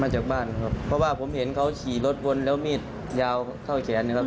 จากบ้านครับเพราะว่าผมเห็นเขาขี่รถวนแล้วมีดยาวเท่าแขนนะครับ